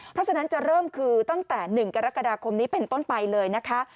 เพราะฉะนั้นจะเริ่มคือตั้งแต่๑กรกฎาคมนี้เป็นต้นไปเลยนะคะ